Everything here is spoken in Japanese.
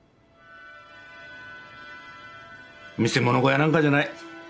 見せ物小屋なんかじゃない。